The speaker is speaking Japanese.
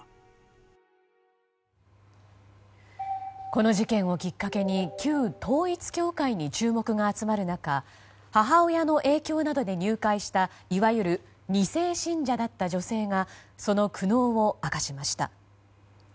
この事件をきっかけに旧統一教会に注目が集まる中母親の影響などで入会したいわゆる２世信者だった女性がその苦悩を明かしました。